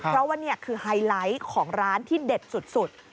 เพราะว่านี่คือไฮไลท์ของร้านที่เด็ดสุด